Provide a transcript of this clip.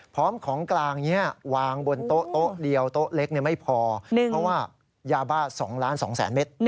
พร้อมของกลางเนี่ยวางบนโต๊ะโต๊ะเรียวโต๊ะเล็กเนี่ยไม่พอเพราะว่ายาบ้า๒ล้าน๒แสนเมตร